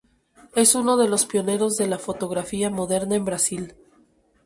Es uno de los pioneros de la fotografía moderna en Brasil.